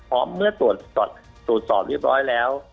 เพราะเมื่อตรวจสอบเรียบร้อยแล้ว